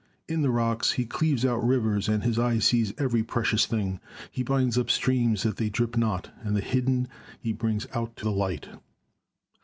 In the rocks, he cleaves out rivers ; and his eye sees every precious thing. He binds up streams that they drip not; and the hidden he brings out to light."